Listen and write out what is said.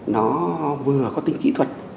nó vừa có tính kỹ thuật